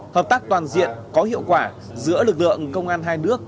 hợp tác toàn diện có hiệu quả giữa lực lượng công an hai nước